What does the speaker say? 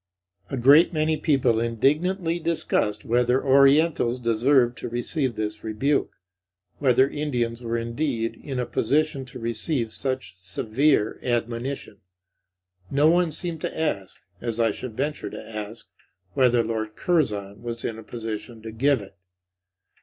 A great many people indignantly discussed whether orientals deserved to receive this rebuke; whether Indians were indeed in a position to receive such severe admonition. No one seemed to ask, as I should venture to ask, whether Lord Curzon was in a position to give it.